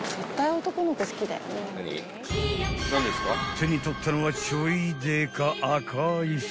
［手に取ったのはちょいデカ赤い袋］